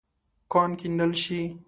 کان کیندل شې.